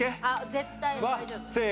絶対大丈夫。